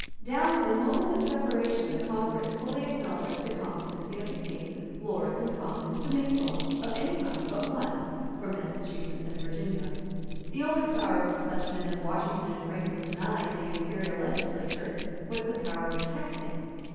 Down to the moment of separation the Congress fully acknowledged the competency of the King, Lords and Commons to make laws, of any kind but one, for Massachusetts and Virginia. The only power which such men as Washington and Franklin denied to the Imperial legislature was the power of taxing.